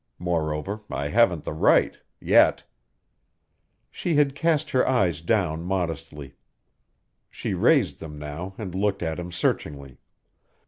Moreover, I haven't the right yet." She had cast her eyes down modestly. She raised them now and looked at him searchingly.